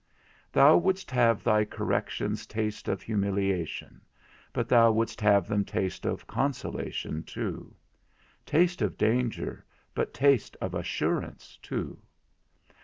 Thou wouldst have thy corrections taste of humiliation, but thou wouldst have them taste of consolation too; taste of danger, but taste of assurance too.